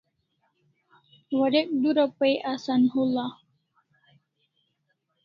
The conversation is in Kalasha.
Warek dura Pai asan ul'a